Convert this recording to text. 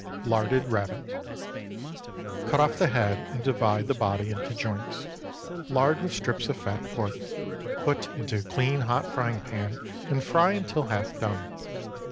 LARDED RABBIT. Cut off the head and divide the body into joints. Lard with slips of fat pork; put into a clean hot frying pan and fry until half done.